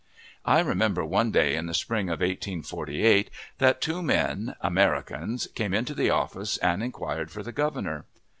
I remember one day, in the spring of 1848, that two men, Americans, came into the office and inquired for the Governor.